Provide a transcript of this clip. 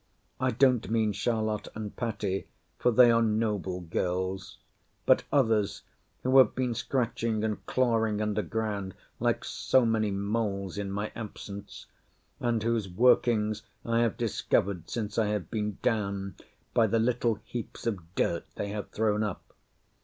I don't mean Charlotte and Patty; for they are noble girls: but others, who have been scratching and clawing under ground like so many moles in my absence; and whose workings I have discovered since I have been down, by the little heaps of dirt they have thrown up.